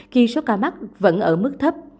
khi số ca mắc vẫn ở mức thấp